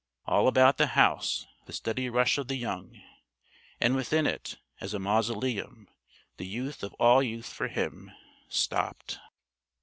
All about the house the steady rush of the young! And within it as a mausoleum the youth of all youth for him stopped!